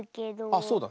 あっそうだ。